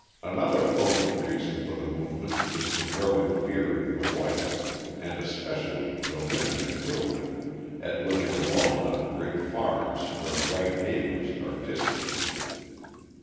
Another potent reason for the movement is the growing fear of the whites, and especially the women and children, at living alone on great farms where white neighbours are distant.